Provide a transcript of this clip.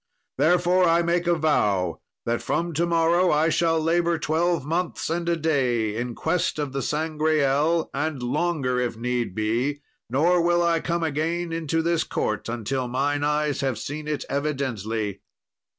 Therefore, I make a vow, that from to morrow I shall labour twelve months and a day in quest of the Sangreal, and longer if need be; nor will I come again into this court until mine eyes have seen it evidently."